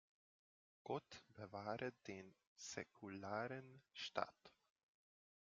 Gott bewahre den säkularen Staat!